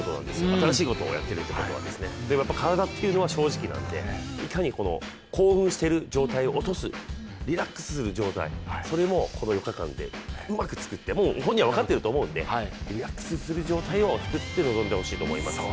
新しいことをやっているということは、ただ体というのは正直なのでいかに興奮している状態を落とすリラックスする状態、それもこの４日間でうまく作って、もう本人は分かってると思うのでリラックスする状態を作って挑んでほしいと思います。